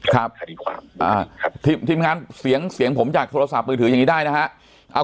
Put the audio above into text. ครับทีมงานเสียงผมจากโทรศัพท์มือถืออย่างนี้ได้นะฮะ